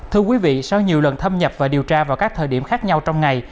thưa quý vị sau nhiều lần thâm nhập và điều tra vào các thời điểm khác nhau trong ngày